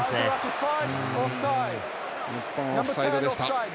日本、オフサイドでした。